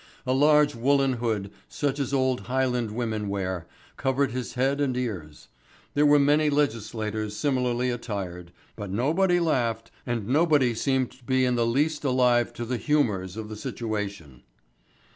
A large woollen hood, such as old Highland women wear, covered his head and ears. There were many legislators similarly attired, but nobody laughed and nobody seemed to be in the least alive to the humours of the situation.